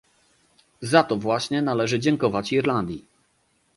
Za to właśnie należy dziękować Irlandii